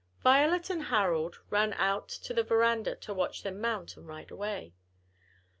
Violet and Harold ran out to the veranda to watch them mount and ride away.